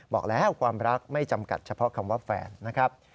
บอกแล้วความรักไม่จำกัดเฉพาะคำว่าแฟนนะครับ